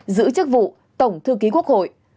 giữ chức vụ tổng thư ký quốc hội